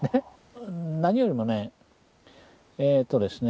何よりもねえっとですね